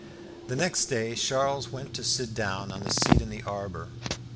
The next day Charles went to sit down on the seat in the arbour.